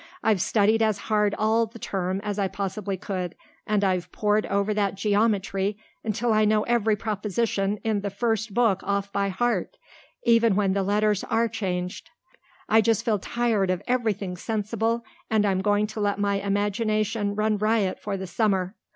"I've studied as hard all the term as I possibly could and I've pored over that geometry until I know every proposition in the first book off by heart, even when the letters are changed. I just feel tired of everything sensible and I'm going to let my imagination run riot for the summer.